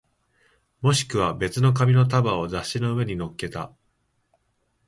もしくは別の紙の束を雑誌の上に乗っけた